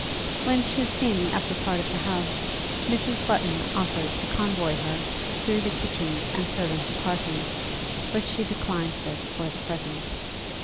When she had seen the upper part of the house, Mrs. Button offered to convoy her through the kitchens and servants' apartments, but she declined this for the present.